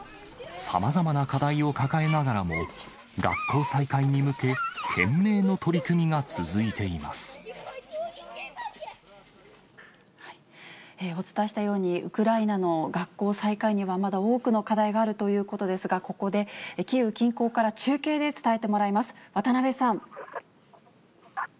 さまざまな課題を抱えながらも、学校再開に向け、お伝えしたように、ウクライナの学校再開にはまだ多くの課題があるということですが、ここでキーウ近郊から中継で伝えてもらいます。